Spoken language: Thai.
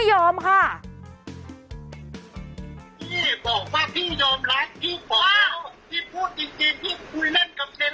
พี่บอกว่าพี่ยอมรักพี่บอกว่าพี่พูดจริง